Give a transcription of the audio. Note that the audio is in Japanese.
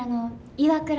岩倉。